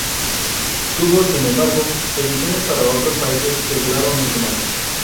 Tuvo, sin embargo, ediciones para otros países que duraron mucho más.